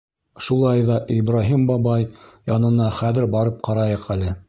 — Шулай ҙа Ибраһим бабай янына хәҙер барып ҡарайыҡ әле.